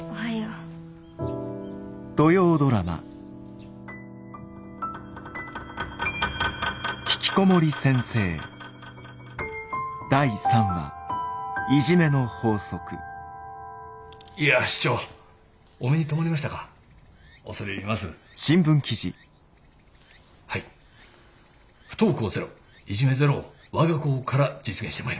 不登校ゼロいじめゼロを我が校から実現してまいります。